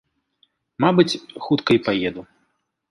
Мабыць, хутка й паеду.